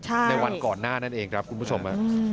ในวันก่อนหน้านั่นเองครับคุณผู้ชม